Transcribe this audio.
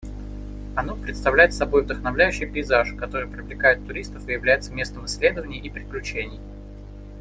Оно представляет собой вдохновляющий пейзаж, который привлекает туристов и является местом исследований и приключений.